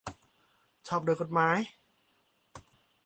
ชอบด้วยกฎหมาย